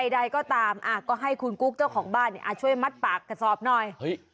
ใดก็ตามก็ให้คุณกุ๊กเจ้าของบ้านช่วยมัดปากกระสอบหน่อย